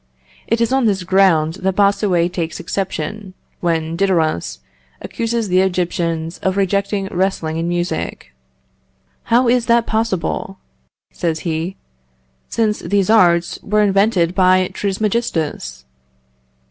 It is on this ground that Bossuet takes exception, when Diodorus accuses the Egyptians of rejecting wrestling and music. "How is that possible," says he, "since these arts were invented by Trismegistus?"